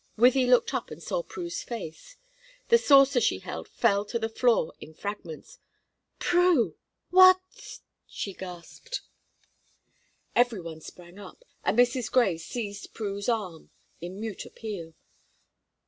Wythie looked up and saw Prue's face. The saucer she held fell to the floor in fragments. "Prue what?" she gasped. Everyone sprang up, and Mrs. Grey seized Prue's arm, in mute appeal.